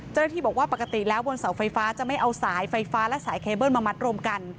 เจ้าหน้าที่บอกว่าปกติแล้วบนเสาไฟฟ้าจะไม่เอาสายไฟฟ้าและสายเคเบิ้ลมามัดรวมกัน